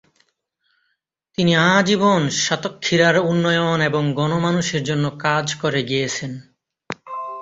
তিনি আজীবন সাতক্ষীরা উন্নয়ন এবং গণ-মানুষের জন্য কাজ করে গিয়েছেন।